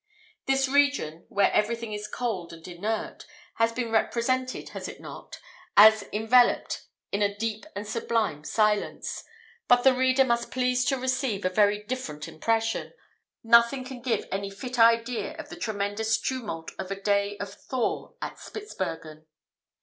"This region, where everything is cold and inert, has been represented, has it not? as enveloped in a deep and sublime silence. But the reader must please to receive a very different impression; nothing can give any fit idea of the tremendous tumult of a day of thaw at Spitzbergen.